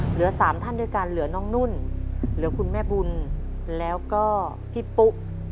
เหลือ๓ท่านด้วยกันเหลือน้องนุ่นเหลือคุณแม่บุญแล้วก็พี่ปุ๊ก